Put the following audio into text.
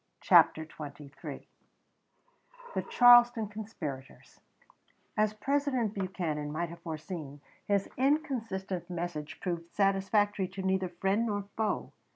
CHAPTER XXIII THE CHARLESTON CONSPIRATORS As President Buchanan might have foreseen, his inconsistent message proved satisfactory to neither friend nor foe.